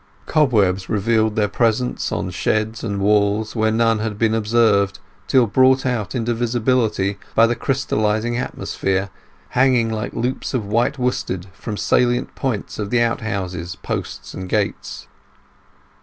Cobwebs revealed their presence on sheds and walls where none had ever been observed till brought out into visibility by the crystallizing atmosphere, hanging like loops of white worsted from salient points of the out houses, posts, and gates.